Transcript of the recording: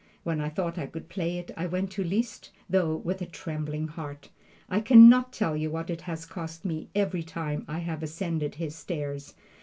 When I thought I could play it, I went to Liszt, though with a trembling heart. I can not tell you what it has cost me every time I have ascended his stairs.